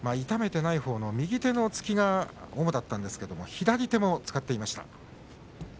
痛めていないほうの右手の突きが主だったんですが左手も使っていました。